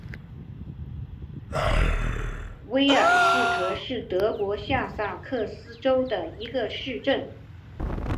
维尔斯特是德国下萨克森州的一个市镇。